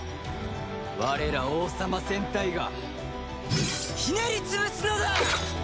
我ら王様戦隊がひねり潰すのだ！